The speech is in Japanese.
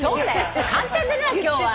「簡単だな今日は」